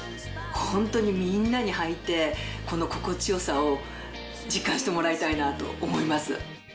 ホントにみんなにはいてこの心地よさを実感してもらいたいなと思います。